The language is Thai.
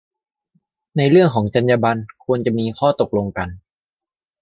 ในเรื่องของจรรยาบรรณ ควรจะมีข้อตกลงกัน